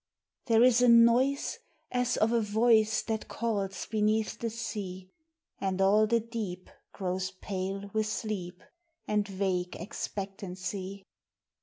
There is a noise as of a voice That calls beneath the sea; And all the deep grows pale with sleep And vague expectancy.